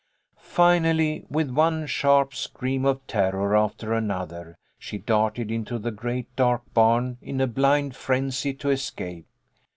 Finally, with one sharp scream of terror after another, she darted into the great dark barn, in a blind frenzy to escape.